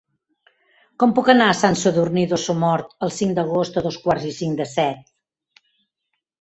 Com puc anar a Sant Sadurní d'Osormort el cinc d'agost a dos quarts i cinc de set?